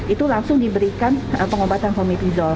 itu langsung diberikan pengobatan komitizol